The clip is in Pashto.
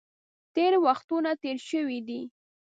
تېرې وختونه تېر شوي دي.